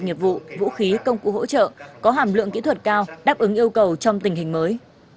nghiệp vụ vũ khí công cụ hỗ trợ có hàm lượng kỹ thuật cao đáp ứng yêu cầu trong tình hình mới